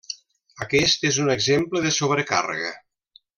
Aquest és un exemple de sobrecàrrega.